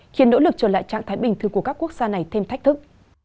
khiến nỗ lực trở lại trạng thái bình thường của các quốc gia này thêm thách thức